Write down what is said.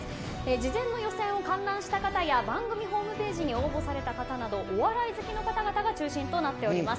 事前の予選を観覧した方や番組ホームページに応募された方などお笑い好きの方々が中心となっております。